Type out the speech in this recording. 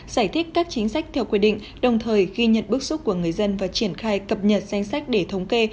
giải thích các chính sách theo quy định đồng thời ghi nhận bức xúc của người dân và triển khai cập nhật danh sách để thống kê